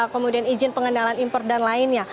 kemudian izin pengendalian impor dan lainnya